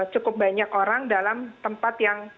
cukup banyak orang dalam tempat yang